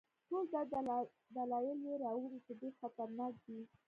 ټول دا دلایل یې راوړي چې ډېر خطرناک دی.